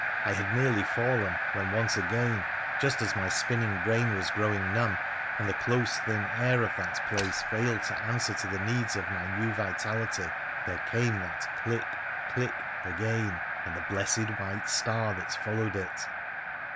I had nearly fallen, when once again, just as my spinning brain was growing numb, and the close thin air of that place failed to answer to the needs of my new vitality, there came that click ! click ! again, and the blessed white star that followed it.